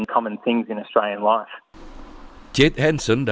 dalam menguruskan anak anak anda